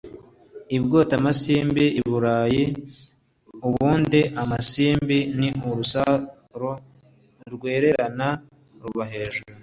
i bwotamasimbi: i burayi (ubundi amasimbi ni urusaro rwererana ruba hejuru